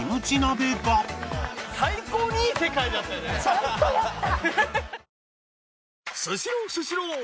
ちゃんとやった！